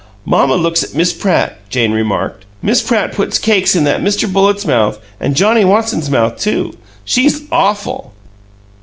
"Mamma looks at Miss Pratt," Jane remarked. "Miss Pratt puts cakes in that Mr. Bullitt's mouth and Johnnie Watson's mouth, too. She's awful."